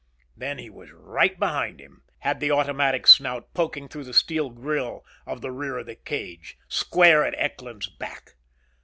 Then he was right behind him. Had the automatic snout poking through the steel grille of the rear of the cage. Square at Eckland's back.